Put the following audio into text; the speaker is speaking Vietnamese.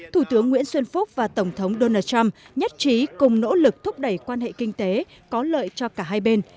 thủ tướng nguyễn xuân phúc và tổng thống donald trump nhất trí cùng nỗ lực thúc đẩy quan hệ kinh tế có lợi cho cả hai bên